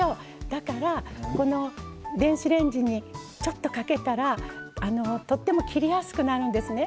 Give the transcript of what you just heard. だから、この電子レンジにちょっとかけたらとっても切りやすくなるんですね。